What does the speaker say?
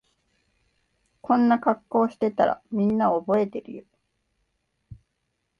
こんな格好してたらみんな覚えてるよ